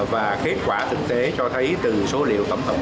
và kết quả thực tế cho thấy từ số liệu tổng thống